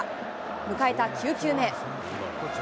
迎えた９球目。